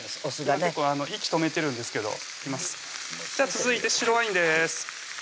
今結構息止めてるんですけど来ますじゃあ続いて白ワインです